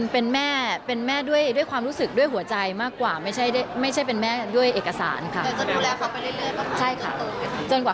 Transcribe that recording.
เป็นแม่เป็นแม่ด้วยความรู้สึกด้วยหัวใจมากกว่าไม่ใช่เป็นแม่ด้วยเอกสารค่ะ